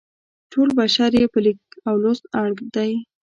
ټول بشر یې په لیک او لوست اړ دی.